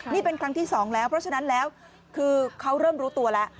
นี่เป็นครั้งที่สองแล้วเพราะฉะนั้นแล้วคือเขาเริ่มรู้ตัวแล้ว